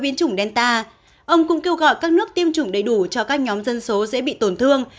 biến chủng delta ông cũng kêu gọi các nước tiêm chủng đầy đủ cho các nhóm dân số dễ bị tổn thương